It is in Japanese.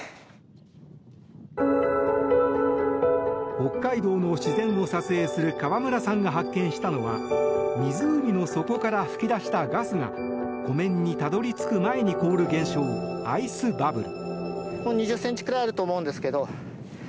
北海道の自然を撮影する川村さんが発見したのは湖の底から噴き出したガスが湖面にたどり着く前に凍る現象アイスバブル。